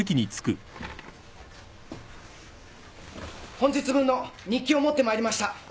本日分の日記を持ってまいりました。